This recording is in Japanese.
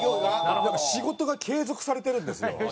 なんか仕事が継続されてるんですよ。